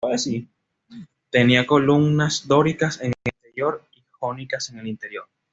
Tenía columnas dóricas en el exterior y jónicas en el interior.